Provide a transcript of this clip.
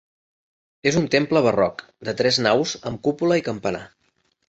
És un temple barroc de tres naus amb cúpula i campanar.